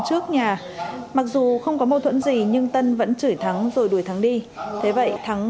trước nhà mặc dù không có mâu thuẫn gì nhưng tân vẫn chửi thắng rồi đuổi thắng đi thế vậy thắng